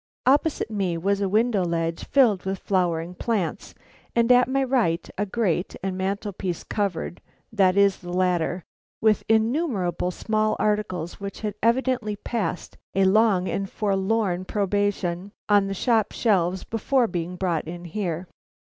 Opposite me was a window ledge filled with flowering plants, and at my right a grate and mantel piece covered, that is the latter, with innumerable small articles which had evidently passed a long and forlorn probation on the shop shelves before being brought in here.